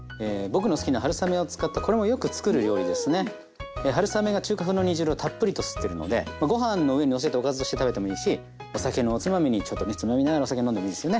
春雨が中華風の煮汁をたっぷりと吸ってるのでご飯の上にのせておかずとして食べてもいいしお酒のおつまみにちょっとねつまみながらお酒飲んでもいいっすよね。